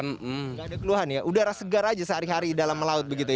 tidak ada keluhan ya udara segar aja sehari hari dalam melaut begitu ya